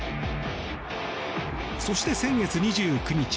そして先月２９日